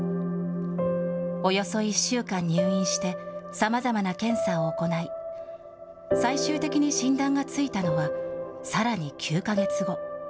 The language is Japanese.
およそ１週間入院して、さまざまな検査を行い、最終的に診断がついたのはさらに９か月後。